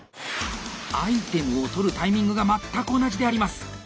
アイテムを取るタイミングが全く同じであります！